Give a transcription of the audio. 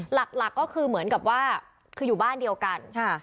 หลักก็คือเหมือนกับว่าคืออยู่บ้านเดียวกัน